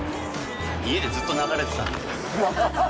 家でずっと流れてたんで。